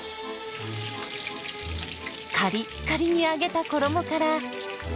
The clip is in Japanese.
カリッカリに揚げた衣から。